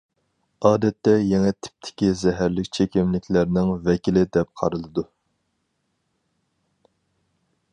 ئادەتتە يېڭى تىپتىكى زەھەرلىك چېكىملىكلەرنىڭ ۋەكىلى دەپ قارىلىدۇ.